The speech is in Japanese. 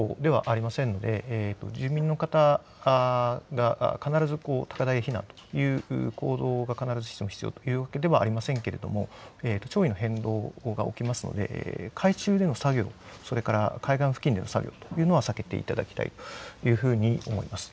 津波警報ではありませんので住民の方が必ず高台に避難という行動が必ずしも必要というわけではありませんけれども潮位の変動が起きますので海中での作業、それから海岸付近での作業というのは避けていただきたいと思います。